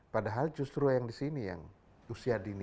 padahal justru yang disini yang usia dini